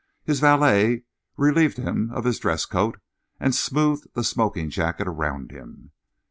His valet relieved him of his dresscoat and smoothed the smoking jacket around him.